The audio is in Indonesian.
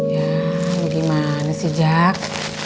ya gimana sih jak